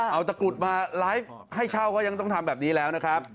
เอาตะกรุดมาไลฟ์ให้เช่าก็ยังต้องทำแบบนี้แล้วนะครับ